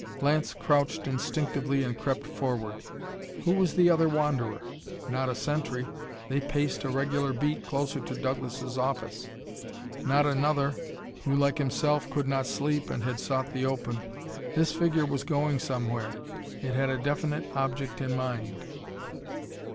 Lance crouched instinctively and crept forward. Who was the other wanderer? Not a sentry: they paced a regular beat closer to Douglas' office. Not another, who, like himself, could not sleep and had sought the open. This figure was going somewhere! It had a definite object in mind!